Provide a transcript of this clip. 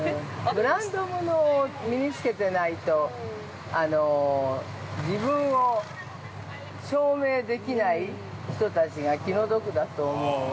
◆ブランド物を身につけてないと自分を証明できない人たちが気の毒だと思うわ。